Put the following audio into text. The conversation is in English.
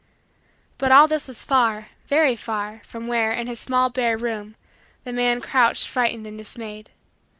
But all this was far, very far, from where, in his small bare room, the man crouched frightened and dismayed.